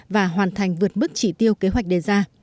và hoàn thành vượt mức chỉ tiêu kế hoạch đề ra